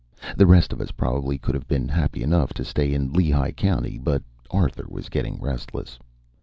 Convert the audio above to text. The rest of us probably would have been happy enough to stay in Lehigh County, but Arthur was getting restless.